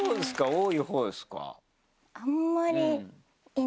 多いほうですか？